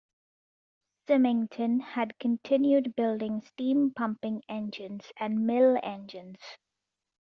Symington had continued building steam pumping engines and mill engines.